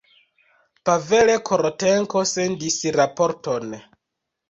Pavel Korotenko sendis raporton.